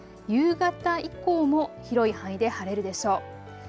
夕方以降も広い範囲で晴れるでしょう。